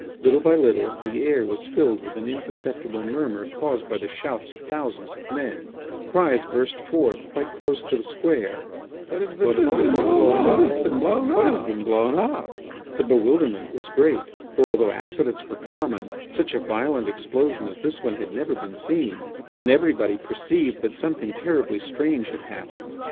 Little by little the air was filled with an imperceptible murmur caused by the shouts of thousands of men. Cries burst forth quite close to the square. "What has been blown up?" The bewilderment was great, for although accidents were common, such a violent explosion as this one had never been seen, and everybody perceived that something terribly strange had happened.